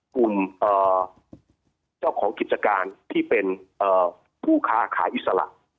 กลุ่มเจ้าของกิจการที่เป็นผู้ค้าขายอิสระ